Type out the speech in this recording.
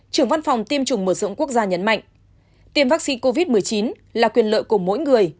trưởng văn phòng tiêm chủng mở rộng quốc gia nhấn mạnh tiêm vaccine covid một mươi chín là quyền lợi của mỗi người